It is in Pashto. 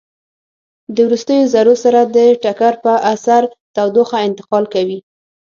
د وروستیو ذرو سره د ټکر په اثر تودوخه انتقال کوي.